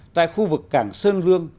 tại khu vực cảng sơn lương